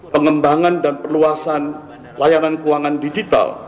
pengembangan dan perluasan layanan keuangan digital